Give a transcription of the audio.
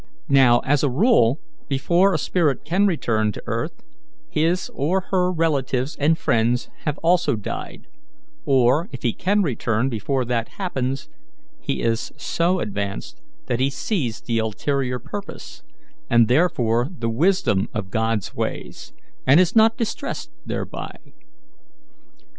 Now, as a rule, before a spirit can return to earth, his or her relatives and friends have also died; or, if he can return before that happens, he is so advanced that he sees the ulterior purpose, and therefore the wisdom of God's ways, and is not distressed thereby.